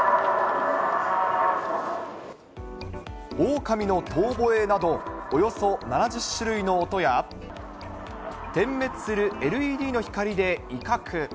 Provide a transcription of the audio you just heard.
オオカミの遠ぼえなど、およそ７０種類の音や、点滅するＬＥＤの光で威嚇。